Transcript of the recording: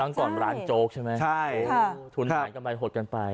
ครั้งก่อนร้านโจ๊กใช่ไหมโอ้โหทุนขายกันไปหดกันไป